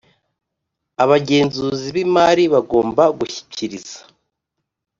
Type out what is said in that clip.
Abagenzuzi b imari bagomba gushyikiriza